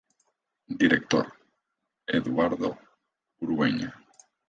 Director: Eduardo Urueña.